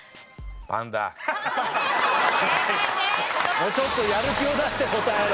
もうちょっとやる気を出して答えろ！